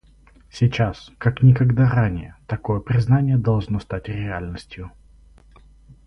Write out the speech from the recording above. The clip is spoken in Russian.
Сейчас, как никогда ранее, такое признание должно стать реальностью.